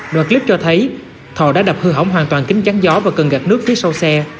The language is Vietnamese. đoạn clip cho thấy thọ đã đập hư hỏng hoàn toàn kính chắn gió và cần gạt nước phía sau xe